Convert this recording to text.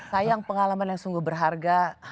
sayang pengalaman yang sungguh berharga